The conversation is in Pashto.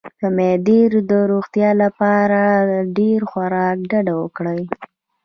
د معدې د روغتیا لپاره له ډیر خوراک ډډه وکړئ